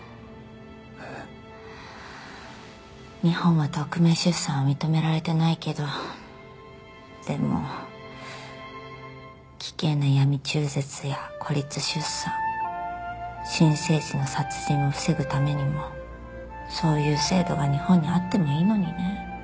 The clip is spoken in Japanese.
えっ？日本は匿名出産は認められてないけどでも危険な闇中絶や孤立出産新生児の殺人を防ぐためにもそういう制度が日本にあってもいいのにね。